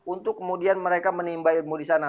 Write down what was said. untuk kemudian mereka menimba ilmu di sana